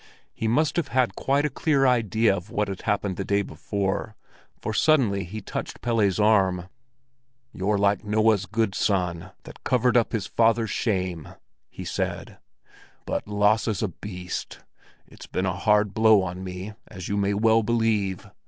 He must have had quite a clear idea of what had happened the day before, for suddenly he touched Pelle's arm. "You're like Noah's good son, that covered up his father's shame!" he said; "but Lasse's a beast. It's been a hard blow on me, as you may well believe!